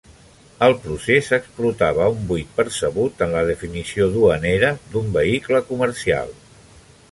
El procés explotava un buit percebut en la definició duanera d'un vehicle comercial.